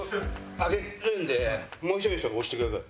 上げるんでもう１人の人が押してください。